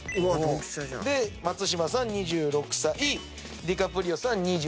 松嶋さん２６歳ディカプリオさん２３歳。